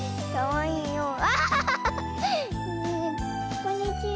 こんにちは。